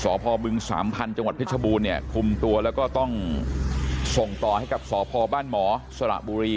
พบึงสามพันธุ์จังหวัดเพชรบูรณเนี่ยคุมตัวแล้วก็ต้องส่งต่อให้กับสพบ้านหมอสระบุรี